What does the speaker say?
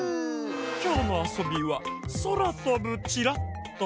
きょうのあそびは「そらとぶチラッと」。